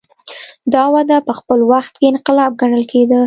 دا وده په خپل وخت کې انقلاب ګڼل کېده.